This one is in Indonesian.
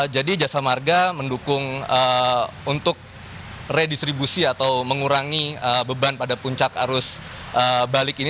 jadi jasa marga mendukung untuk redistribusi atau mengurangi beban pada puncak arus balik ini